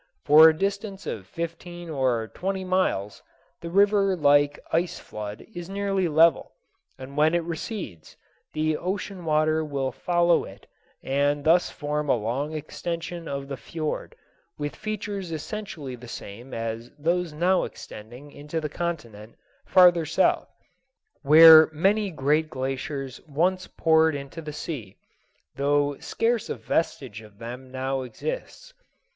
For a distance of fifteen or twenty miles the river like ice flood is nearly level, and when it recedes, the ocean water will follow it, and thus form a long extension of the fiord, with features essentially the same as those now extending into the continent farther south, where many great glaciers once poured into the sea, though scarce a vestige of them now exists.